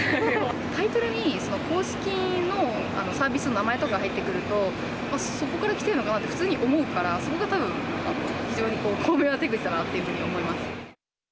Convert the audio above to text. タイトルに公式のサービスの名前とか入ってくると、そこから来てるのかなって普通に思うから、そこがたぶん、非常に巧妙な手口だなというふうに思います。